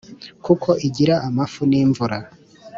Kuko igira amafu n'imvura